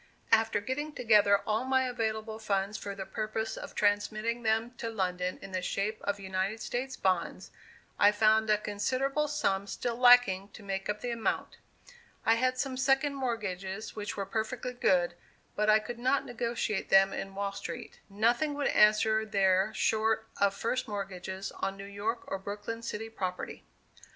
After getting together all my available funds for the purpose of transmitting them to London in the shape of United States bonds, I found a considerable sum still lacking to make up the amount. I had some second mortgages which were perfectly good, but I could not negotiate them in Wall Street. Nothing would answer there short of first mortgages on New York or Brooklyn city property.